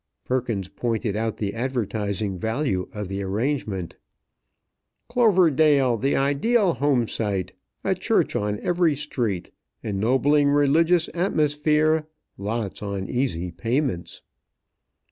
Perkins pointed out the advertising value of the arrangement: "Cloverdale, the Ideal Home Site. A Church on Every Street. Ennobling Religious Atmosphere. Lots on Easy Payments."